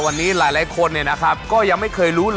มานี่อะใน